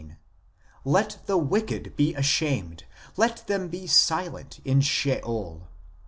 "Let the wicked be ashamed, let them be silent in Sheol."